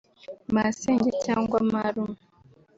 masenge cyangwa marume